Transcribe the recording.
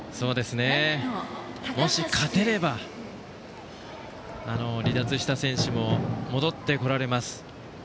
もし勝てれば離脱した選手も戻ってこられます。